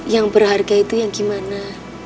yang berharga itu yang gimana